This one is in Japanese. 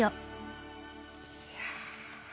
いや。